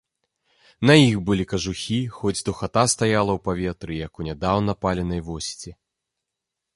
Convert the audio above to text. На іх былі кажухі, хоць духата стаяла ў паветры, як у нядаўна паленай восеці.